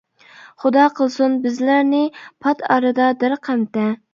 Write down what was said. خۇدا قىلسۇن بىزلەرنى، پات ئارىدا دەرقەمتە.